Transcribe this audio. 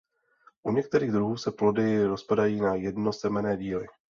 U některých druhů se plody rozpadají na jednosemenné díly.